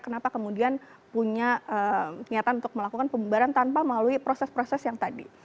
kenapa kemudian punya niatan untuk melakukan pembubaran tanpa melalui proses proses yang tadi